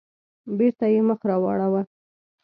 بېرته يې مخ راواړاوه.